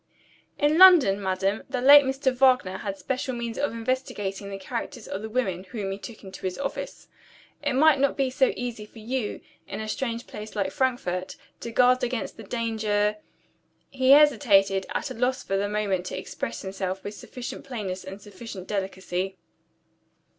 "In London, madam, the late Mr. Wagner had special means of investigating the characters of the women whom he took into his office. It may not be so easy for you, in a strange place like Frankfort, to guard against the danger " He hesitated, at a loss for the moment to express himself with sufficient plainness and sufficient delicacy.